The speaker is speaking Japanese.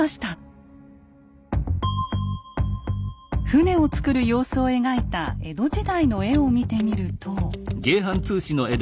船を造る様子を描いた江戸時代の絵を見てみると。